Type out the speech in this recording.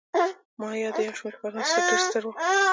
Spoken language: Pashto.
د مایا یو شمېر ښارونه ډېر ستر وو.